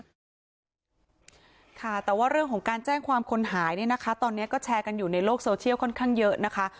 ค่ะแต่ว่าเรื่องของการแจ้งความคนหายเนี่ยนะคะตอนนี้ก็แชร์กันอยู่ในโลกโซเชียลค่อนข้างเยอะนะคะ